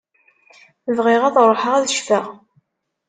Bɣiɣ ad ṛuḥeɣ ad ccfeɣ.